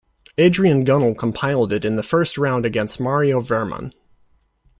Adrian Gunnell compiled it in the first round against Mario Wehrmann.